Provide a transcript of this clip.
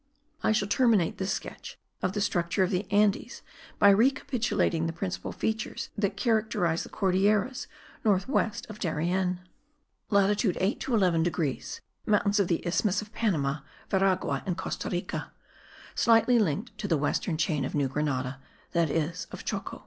I shall terminate this sketch of the structure of the Andes by recapitulating the principal features that characterize the Cordilleras, north west of Darien. Latitude 8 to 11 degrees. Mountains of the isthmus of Panama, Veragua and Costa Rica, slightly linked to the western chain of New Grenada, which is that of Choco.